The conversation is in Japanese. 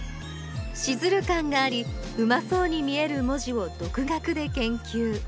シズル感がありうまそうに見える文字を独学で研究。